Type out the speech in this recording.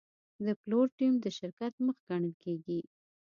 د پلور ټیم د شرکت مخ ګڼل کېږي.